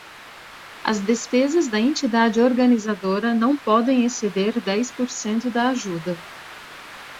As despesas da entidade organizadora não podem exceder dez por cento da ajuda.